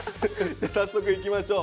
早速いきましょう。